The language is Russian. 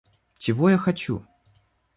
Чего я хочу?